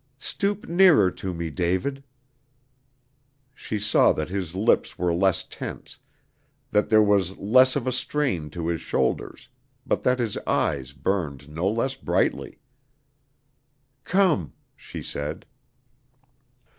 "Stoop nearer to me, David." She saw that his lips were less tense, that there was less of a strain to his shoulders, but that his eyes burned no less brightly. "Come," she said.